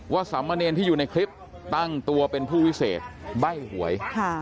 สามเณรที่อยู่ในคลิปตั้งตัวเป็นผู้วิเศษใบ้หวย